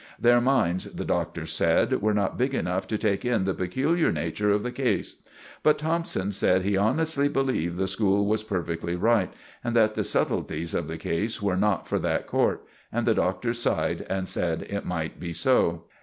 Their minds, the Doctor said, were not big enough to take in the peculiar nature of the case. But Thompson said he honestly believed the school was perfectly right, and that the subtleties of the case were not for that court; and the Doctor sighed and said it might be so.